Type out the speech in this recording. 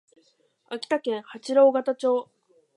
秋田県八郎潟町